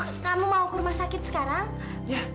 oh kamu mau ke rumah sakit sekarang